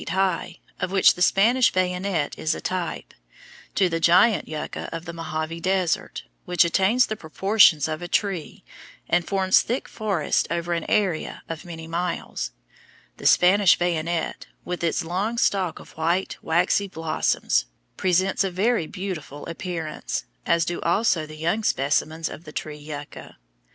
They range in size from those only two or three feet high, of which the Spanish bayonet is a type, to the giant yucca of the Mohave Desert, which attains the proportions of a tree and forms thick forests over an area of many miles. The Spanish bayonet, with its long stalk of white, waxy blossoms, presents a very beautiful appearance, as do also the young specimens of the tree yucca.